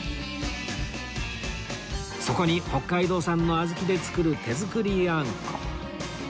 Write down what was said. そこに北海道産の小豆で作る手作りあんこ